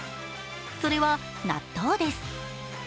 それは納豆です。